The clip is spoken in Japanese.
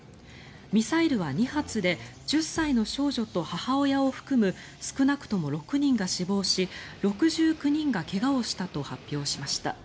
ミサイルは２発で１０歳の少女と母親を含む少なくとも６人が死亡し６９人が怪我をしたと発表しました。